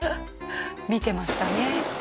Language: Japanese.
見てましたね。